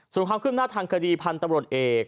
ส่วนความขึ้นหน้าทางคดีพันตะบรดเอก